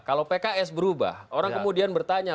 kalau pks berubah orang kemudian bertanya